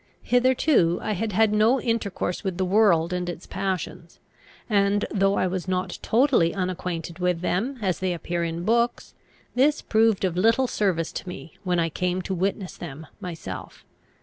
Hitherto I had had no intercourse with the world and its passions; and, though I was not totally unacquainted with them as they appear in books, this proved of little service to me when I came to witness them myself.